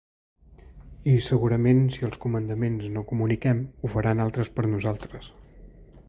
I, segurament, si els comandaments no comuniquem, ho faran altres per nosaltres.